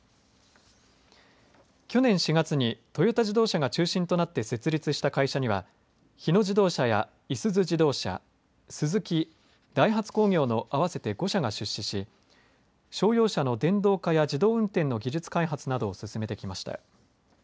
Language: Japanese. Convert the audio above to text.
去年４月にトヨタ自動車が中心となって設立した会社には日野自動車や、いすゞ自動車スズキダイハツ工業の合わせて５社が出資し商用車の電動化や自動運転の技術開発などを進めてきました。